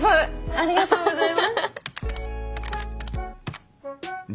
ありがとうございます！